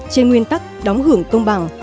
trên nguyên tắc đóng hưởng công bằng